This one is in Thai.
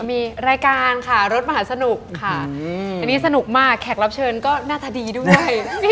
มีรายการค่ะรถมหาสนุกค่ะอันนี้สนุกมากแขกรับเชิญก็หน้าตาดีด้วย